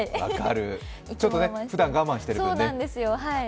ちょっとふだん我慢してる分ね。